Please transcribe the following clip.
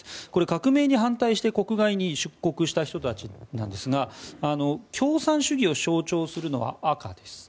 革命に反対して国外に出国した人たちなんですが共産主義を象徴するのは赤です。